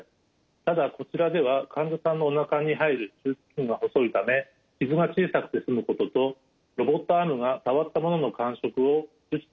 ただこちらでは患者さんのおなかに入る手術器具が細いため傷が小さくて済むこととロボットアームにあるセンサーで感触を感じて